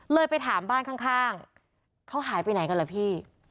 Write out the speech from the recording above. ไปถามบ้านข้างเขาหายไปไหนกันล่ะพี่